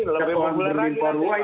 lebih populer lagi